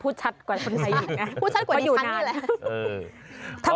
พูดชัดกว่าดีชั้นนี่แหละ